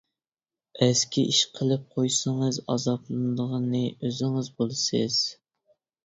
ئەسكى ئىش قىلىپ قويسىڭىز، ئازابلىنىدىغىنى ئۆزىڭىز بولىسىز.